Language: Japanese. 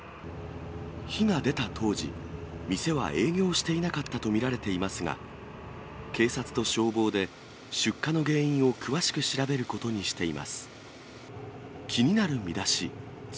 火が出た当時、店は営業していなかったと見られていますが、警察と消防で出火の原因を詳しく調べることにしています。